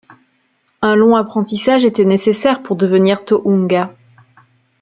Un long apprentissage était nécessaire pour devenir Tohunga.